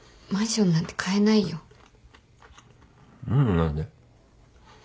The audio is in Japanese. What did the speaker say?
何で？